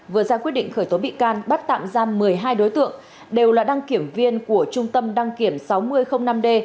vừa ra quyết định khởi tố bị can bắt tạm giam một mươi hai đối tượng đều là đăng kiểm viên của trung tâm đăng kiểm sáu nghìn năm d